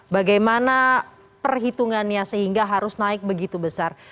bagaimana perhitungannya sehingga harus naik begitu besar